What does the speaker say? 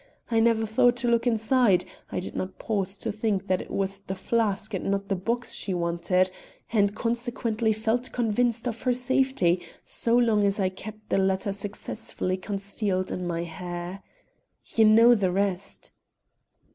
I never thought to look inside; I did not pause to think that it was the flask and not the box she wanted, and consequently felt convinced of her safety so long as I kept the latter successfully concealed in my hair. You know the rest."